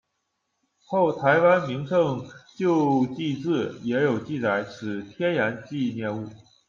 后《台湾名胜旧迹志》也有记载此天然纪念物。